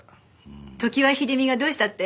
常盤秀美がどうしたって？